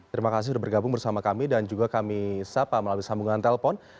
terima kasih sudah bergabung bersama kami dan juga kami sapa melalui sambungan telpon